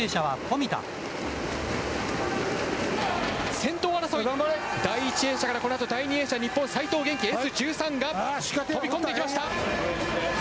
先頭争い、第１泳者からこのあと第２泳者、日本、齋藤元希、Ｓ１３が飛び込んでいきました。